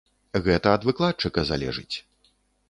Гэта ад выкладчыка залежыць.